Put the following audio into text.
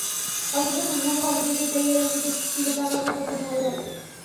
হয়তো যখন বুড়ো হব, নিজের ক্যারিয়ারের দিকে ফিরে তাকাব, তখন ভালো লাগবে।